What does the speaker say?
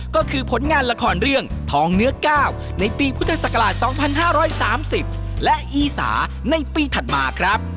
ก็คือผลงานละครเรื่องทองเนื้อ๙ในปีพุทธศักราช๒๕๓๐และอีสาในปีถัดมาครับ